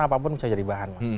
apapun bisa jadi bahan